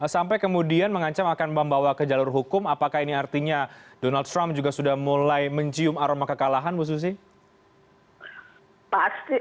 sampai kemudian mengancam akan membawa ke jalur hukum apakah ini artinya donald trump juga sudah mulai mencium aroma kekalahan bu susi